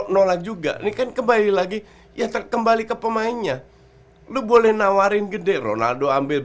nolak juga ini kan kembali lagi ya kembali ke pemainnya lu boleh nawarin gede ronaldo ambil